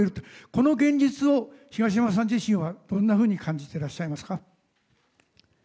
この現実を、東山さん自身はどんなふうに感じてらっしゃいますか？